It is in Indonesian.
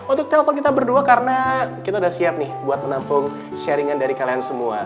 untuk telepon kita berdua karena kita udah siap nih buat menampung sharingan dari kalian semua